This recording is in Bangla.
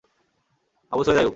আবু সয়ীদ আইয়ুব